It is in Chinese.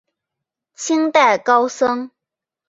清代高僧。